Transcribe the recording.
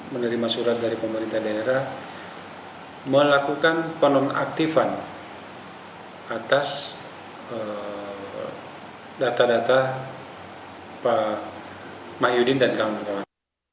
menerima surat dari pemerintah daerah melakukan penonaktifan atas data data pak mahyudin dan kawan kawan